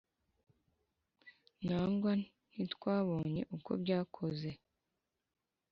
nangwa ntitwabonye uko byakoze